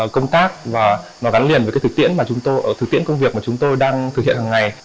công tác và gắn liền với thực tiễn công việc mà chúng tôi đang thực hiện hằng ngày